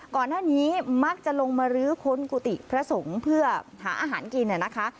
ก่อนหน้านี้มักจะลงมารื้อค้นกุฏิพระสงฆ์เพื่อหาอาหารกินนะคะ